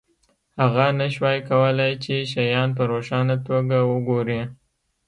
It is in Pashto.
هغه نشوای کولی چې شیان په روښانه توګه وګوري